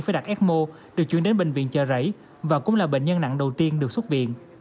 phải đặt ecmo được chuyển đến bệnh viện chợ rảy và cũng là bệnh nhân nặng đầu tiên được xuất viện